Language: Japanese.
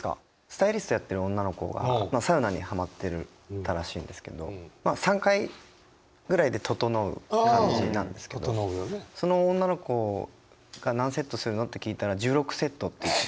スタイリストやってる女の子がサウナにハマってたらしいんですけどまあ３回ぐらいでととのう感じなんですけどその女の子が何セットするの？って聞いたら１６セットって。